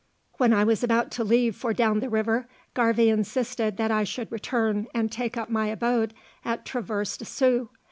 When I was about to leave for down the river, Garvie insisted that I should return and take up my abode at Traverse des Sioux.